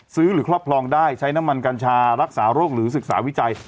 หรือครอบครองได้ใช้น้ำมันกัญชารักษาโรคหรือศึกษาวิจัย